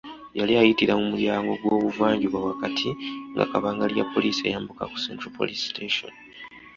Yali ayitira mu mulyango gw’obuvanjuba wakati nga kabangali ya poliisi eyambuka ku Central Police Station.